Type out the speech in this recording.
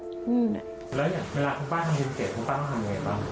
แล้วอย่างเวลาคุณป้าทำพิเศษคุณป้าทำอย่างไรบ้าง